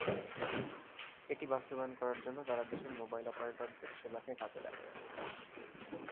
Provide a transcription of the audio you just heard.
এটি বাস্তবায়ন করার জন্য তারা দেশের মোবাইল অপারেটরদের সেবাকে কাজে লাগায়।